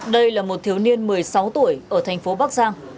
đây là một thiếu niên một mươi sáu tuổi ở thành phố bắc giang